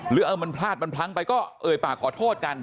เออมันพลาดมันพลั้งไปก็เอ่ยปากขอโทษกัน